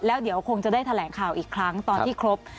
แล้วเดี๋ยวคงจะได้แถลงข่าวอีกครั้งตอนที่ครบ